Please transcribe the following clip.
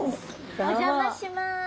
お邪魔します。